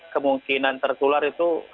kemungkinan tertular itu